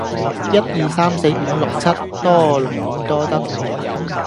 一二三四五六七，多勞多得